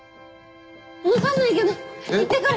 分かんないけど行って来る！